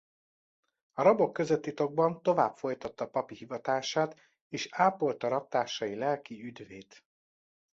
A rabok között titokban tovább folytatta papi hivatását és ápolta rabtársai lelki üdvét.